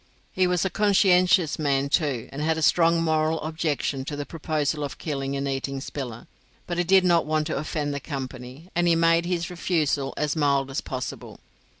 He was a conscientious man too, and had a strong moral objection to the proposal of killing and eating Spiller; but he did not want to offend the company, and he made his refusal as mild as possible.